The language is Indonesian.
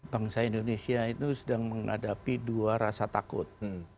bangsa indonesia itu sedang menghadapi dua rasa takut